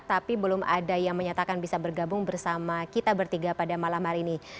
tapi belum ada yang menyatakan bisa bergabung bersama kita bertiga pada malam hari ini